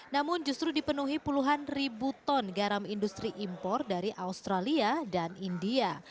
namun justru dipenuhi puluhan ribu ton garam industri impor dari australia dan india